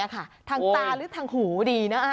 ทางตาหรือทางหูดีนะ